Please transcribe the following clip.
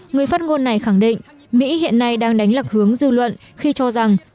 người phát ngôn này khẳng định mỹ hiện nay đang đánh lạc hướng dư luận khi cho rằng